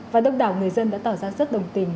và đông đảo người dân đã tỏ ra rất đồng tình